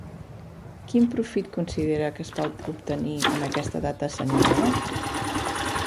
Quin profit considera que es pot obtenir en aquesta data assenyalada?